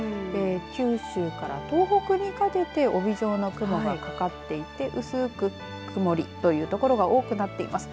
九州から東北にかけて帯状の雲がかかっていて薄く曇り、という所が多くなっています。